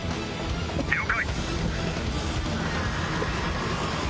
了解。